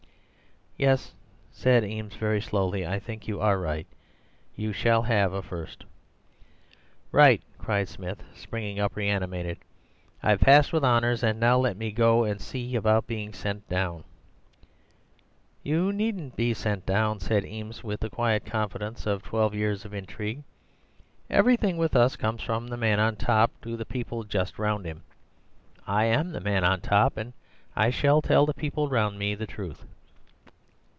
"'Yes,' said Eames very slowly, 'I think you are right. You shall have a First!' "'Right!' cried Smith, springing up reanimated. 'I've passed with honours, and now let me go and see about being sent down.' "'You needn't be sent down,' said Eames with the quiet confidence of twelve years of intrigue. 'Everything with us comes from the man on top to the people just round him: I am the man on top, and I shall tell the people round me the truth.